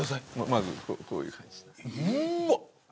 まずこういう感じ。